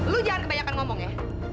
lu jangan kebanyakan ngomong ya